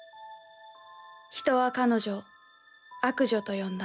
人は彼女を悪女と呼んだ。